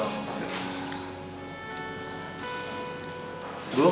masih di ngapain